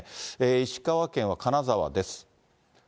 石川県は金沢です。